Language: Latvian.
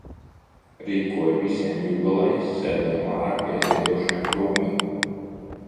Rīkoju visiem jubilejas, sēdējām ārā pie ziedošiem krūmiem.